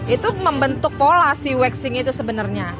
itu membentuk pola si waxing itu sebenarnya